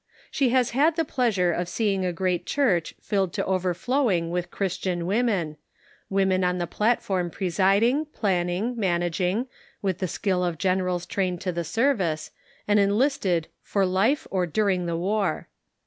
She has had the pleasure of seeing a great church filled to overflowing with Christian women. Women on the platform presiding, 322 The Pocket Measure, planning, managing, with the skill of generals trained to the service, and enlisted " for life or during the war